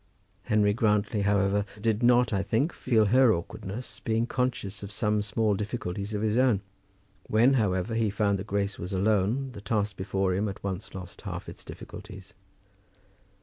Henry Grantly, however, did not, I think, feel her awkwardness, being conscious of some small difficulties of his own. When, however, he found that Grace was alone, the task before him at once lost half its difficulties.